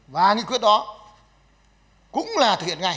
và nghị quyết đó cũng là thực hiện ngay